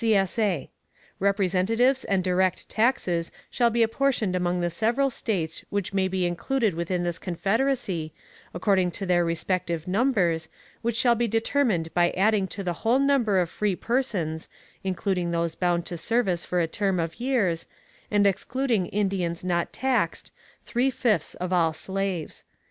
[CSA] Representatives and direct taxes shall be apportioned among the several States which may be included within this Confederacy, according to their respective numbers, which shall be determined by adding to the whole number of free persons, including those bound to service for a term of years, and excluding Indians not taxed, three fifths of all slaves.